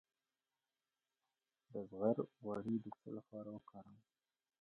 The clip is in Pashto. د زغر غوړي د څه لپاره وکاروم؟